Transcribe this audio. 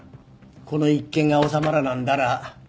この一件が収まらなんだら